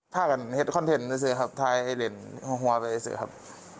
ถ้ากันเห็นคอนเทนต์จะเสื่อครับถ่ายให้เรียนหัวไปจะเสื่อครับ